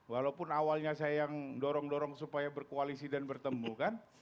walaupun awalnya saya yang dorong dorong supaya berkoalisi dan bertemu kan